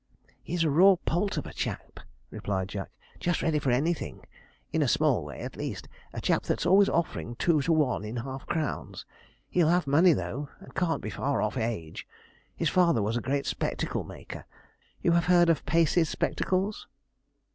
'He's a raw poult of a chap,' replied Jack; 'just ready for anything in a small way, at least a chap that's always offering two to one in half crowns. He'll have money, though, and can't be far off age. His father was a great spectacle maker. You have heard of Pacey's spectacles?'